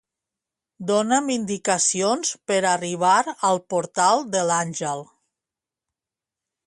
Dona'm indicacions per arribar al Portal de l'Àngel.